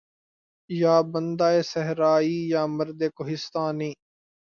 یا بندہ صحرائی یا مرد کہستانی